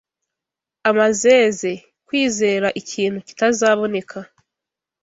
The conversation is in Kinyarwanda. Amazeze: kwizera ikintu kitazaboneka